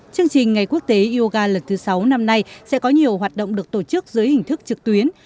chương trình ngày quốc tế yoga lần thứ sáu năm nay sẽ có nhiều hoạt động được tổ chức dưới hình thức trực tuyến